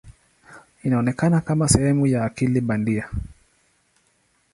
Inaonekana kama sehemu ya akili bandia.